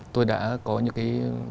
tôi đã có những cái